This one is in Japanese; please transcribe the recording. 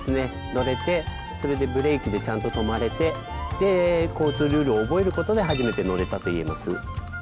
乗れてそれでブレーキでちゃんと止まれてで交通ルールを覚えることで初めて乗れたと言えます。